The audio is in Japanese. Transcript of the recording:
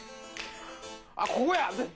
あっ、ここや、絶対。